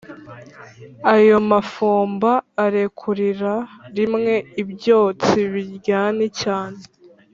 ayo mafumba arekurira rimwe ibyotsi biryani cyane